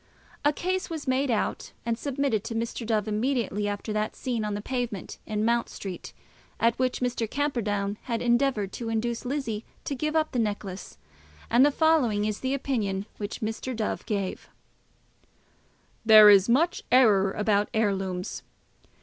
A case was made out and submitted to Mr. Dove immediately after that scene on the pavement in Mount Street, at which Mr. Camperdown had endeavoured to induce Lizzie to give up the necklace; and the following is the opinion which Mr. Dove gave: There is much error about heirlooms.